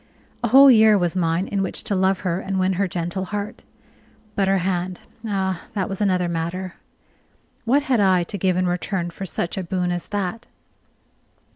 A whole year was mine in which to love her and win her gentle heart. But her hand ah, that was another matter. What had I to give in return for such a boon as that?